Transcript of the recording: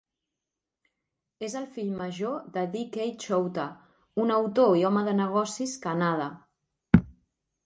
És el fill major de D. K. Chowta, un autor i home de negocis kannada.